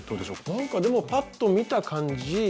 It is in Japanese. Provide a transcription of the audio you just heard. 何かでもパッと見た感じ